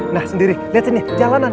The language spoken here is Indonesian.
nah sendiri lihat sini jalanan